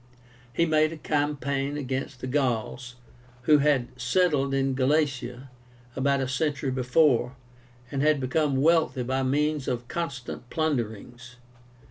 He made a campaign against the Gauls, who had settled in Galatia about a century before, and had become wealthy by means of constant plunderings.